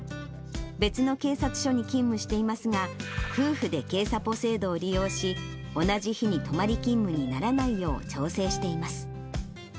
別の警察署に勤務していますが、夫婦でけいさぽ制度を利用し、同じ日に泊まり勤務にならないよう調整しています。